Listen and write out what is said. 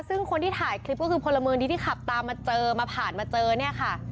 ซึ่งท่ายคลิปที่ขับมาเจอมาผ่านมาเจอค่ะ